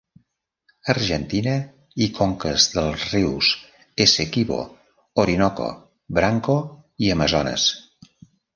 Argentina i conques dels rius Essequibo, Orinoco, Branco i Amazones.